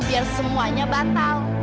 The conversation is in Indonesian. biar semuanya batal